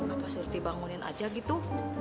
apa surti bangunin aja gitu